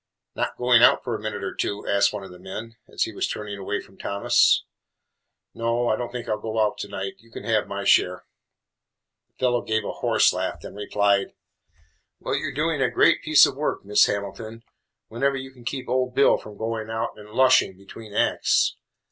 "Not going out for a minute or two?" asked one of the men, as he was turning away from Thomas. "No, I don't think I 'll go out to night. You can have my share." The fellow gave a horse laugh and replied, "Well, you 're doing a great piece of work, Miss Hamilton, whenever you can keep old Bill from goin' out an' lushin' between acts.